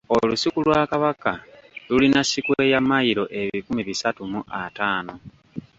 Olusuku lwa Kabaka lulina sikweya mmayiro ebikumi bisatu mu ataano.